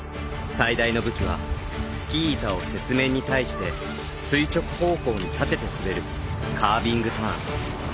最大の武器はスキー板を雪面に対して垂直方向に立てて滑るカービングターン。